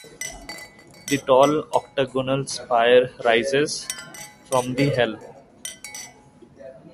The tall octagonal spire rises from the narthex.